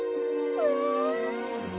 うん！